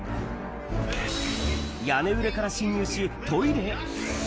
屋根裏から侵入し、トイレへ。